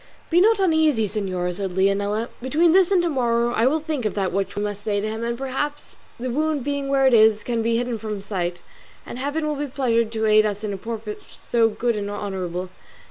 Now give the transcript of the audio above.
"Be not uneasy, señora," said Leonela; "between this and to morrow I will think of what we must say to him, and perhaps the wound being where it is it can be hidden from his sight, and Heaven will be pleased to aid us in a purpose so good and honourable.